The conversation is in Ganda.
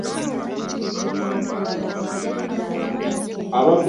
Abakulira ebibuga mu ggwanga balina okuba abakozi ennyo okusobola okubikulaakulanya.